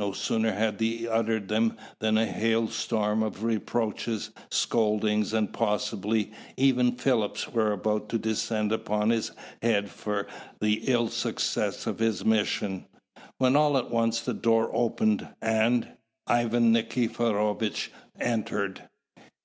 No sooner had he uttered them than a hailstorm of reproaches, scoldings, and, possibly, even fillips were about to descend upon his head for the ill success of his mission, when all at once the door opened, and Ivan Nikiforovitch entered.